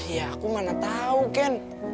ya aku mana tau ken